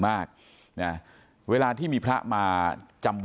ฝ่ายกรเหตุ๗๖ฝ่ายมรณภาพกันแล้ว